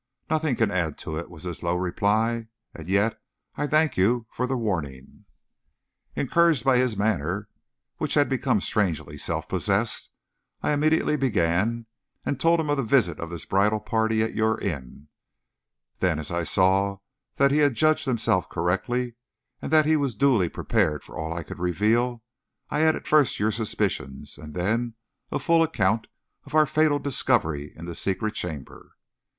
"Nothing can add to it," was his low reply. "And yet I thank you for the warning." Encouraged by his manner, which had become strangely self possessed, I immediately began, and told him of the visit of this bridal party at your inn; then as I saw that he had judged himself correctly, and that he was duly prepared for all I could reveal, I added first your suspicions, and then a full account of our fatal discovery in the secret chamber.